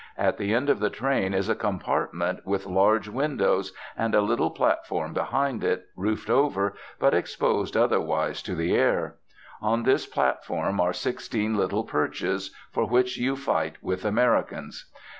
At the end of the train is a compartment with large windows, and a little platform behind it, roofed over, but exposed otherwise to the air, On this platform are sixteen little perches, for which you fight with Americans.